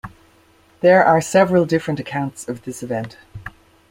There are several different accounts of this event.